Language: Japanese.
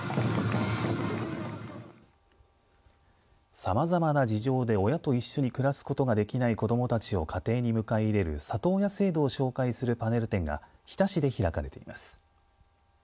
さまざまな事情で親と一緒に暮らすことができない子どもたちを家庭に迎え入れる里親制度を紹介するパネル展が日田市で開かれています。